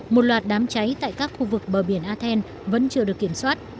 một loạt đám cháy tại các khu vực bờ biển athen vẫn chưa được kiểm soát